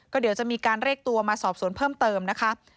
ก็เดี๋ยวจะมีการเรียกตัวมาสอบสวนเพิ่มเติมนะคะ